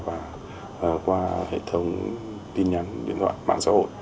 và qua hệ thống tin nhắn điện thoại mạng xã hội